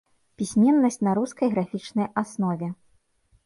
Пісьменнасць на рускай графічнай аснове.